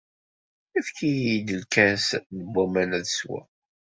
Efk-iyi-d lkkas n waman ad sweɣ.